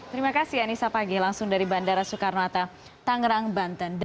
terima kasih anissa pagi langsung dari bandara soekarno hatta tangerang banten